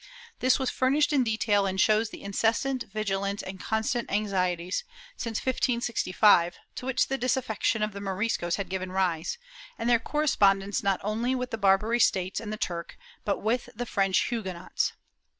^ This was furnished in detail and shows the incessant vigilance and constant anxieties, since 1565, to which the disaffection of the Moriscos had given rise, and their correspondence not only with the Barbary States and the Turk, but with the French Huguenots.